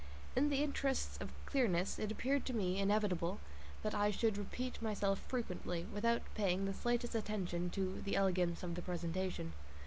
In the interest of clearness, it appeared to me inevitable that I should repeat myself frequently, without paying the slightest attention to the elegance of the presentation.